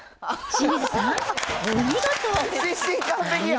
あっ。